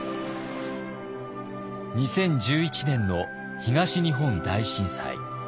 ２０１１年の東日本大震災。